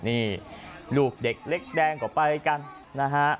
นี่ลูกเด็กเล็กแดงก็ไปกันนะฮะ